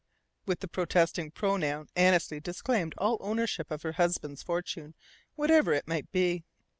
With the protesting pronoun Annesley disclaimed all ownership of her husband's fortune, whatever it might be.